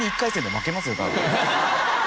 多分。